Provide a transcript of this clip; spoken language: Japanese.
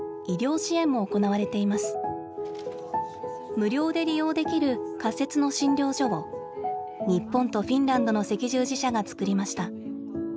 無料で利用できる仮設の診療所を日本とフィンランドの赤十字社が作りました。